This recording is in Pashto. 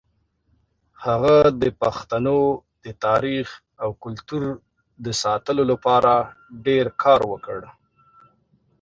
هغه د پښتنو د تاریخ او کلتور د ساتلو لپاره ډېر کار وکړ.